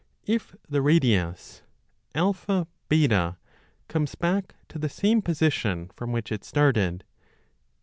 If the radius AB comes back to the same position from w^hich it started, i.